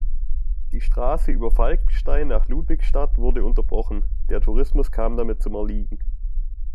Die Straße über Falkenstein nach Ludwigsstadt wurde unterbrochen, der Tourismus kam damit zum Erliegen.